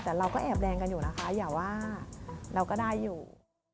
แต่เราก็แอบแดงกันอยู่นะคะอย่าว่าเราก็ได้อยู่